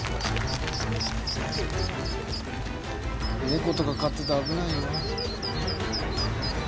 ネコとか飼ってたら危ないよ。